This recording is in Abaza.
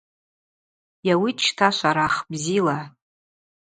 Йауитӏ щта, Шварах, бзила.